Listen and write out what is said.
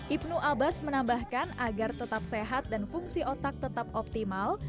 ibnu abbas menambahkan agar tetap sehat dan fungsi otak tetap optimal